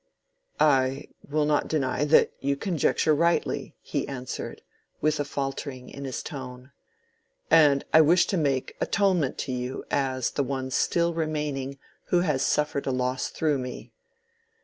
"I will not deny that you conjecture rightly," he answered, with a faltering in his tone. "And I wish to make atonement to you as the one still remaining who has suffered a loss through me.